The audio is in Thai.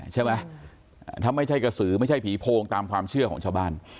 ใช่ไหมถ้าไม่ใช่กระสือไม่ใช่ผีโพงตามความเชื่อของชาวบ้าน